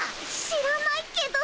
知らないけど。